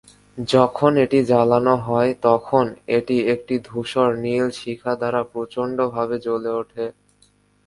যখন এটি জ্বালানো হয় তখন এটি একটি ধূসর-নীল শিখা দ্বারা প্রচণ্ডভাবে জ্বলে ওঠে।